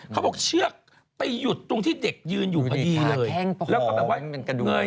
เขาบอกเชือกไปหยุดตรงที่เด็กยืนอยู่ดีเลย